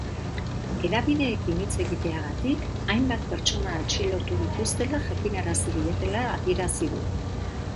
Hedabideekin hitz egiteagatik hainbat pertsona atxilotu dituztela jakinarazi dietela adierazi du.